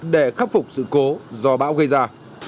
để khắc phục sự cố do bão gây ra